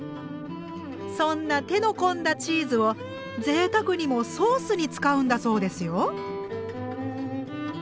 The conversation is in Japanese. そんな手の込んだチーズをぜいたくにもソースに使うんだそうですよ。